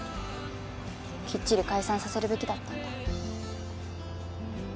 きっちり解散させるべきだったんだ。